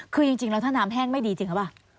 คือจริงแล้วถ้าน้ำแห้งไม่ดีจริงหรือเปล่า